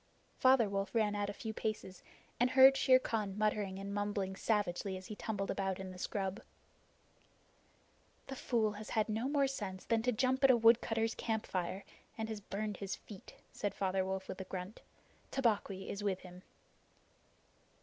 Father Wolf ran out a few paces and heard Shere Khan muttering and mumbling savagely as he tumbled about in the scrub. "The fool has had no more sense than to jump at a woodcutter's campfire, and has burned his feet," said Father Wolf with a grunt. "Tabaqui is with him."